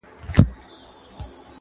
بې پروا له شنه اسمانه.!